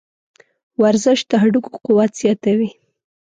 ورزش د هډوکو قوت زیاتوي.